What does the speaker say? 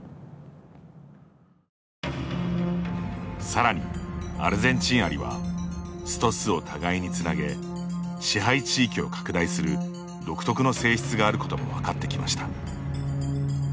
さらに、アルゼンチンアリは巣と巣を互いにつなげ支配地域を拡大する独特の性質があることも分かってきました。